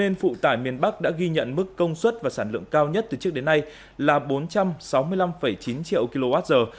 nên phụ tải miền bắc đã ghi nhận mức công suất và sản lượng cao nhất từ trước đến nay là bốn trăm sáu mươi năm chín triệu kwh